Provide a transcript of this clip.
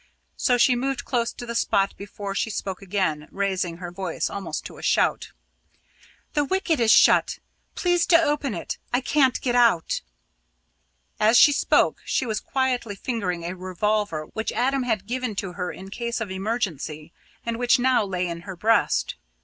So she moved close to the spot before she spoke again, raising her voice almost to a shout. "The wicket is shut. Please to open it. I can't get out." As she spoke, she was quietly fingering a revolver which Adam had given to her in case of emergency and which now lay in her breast.